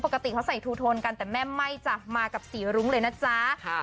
ปกติเขาใส่ทูโทนกันแต่แม่ไหม้จ้ะมากับสีรุ้งเลยนะจ๊ะ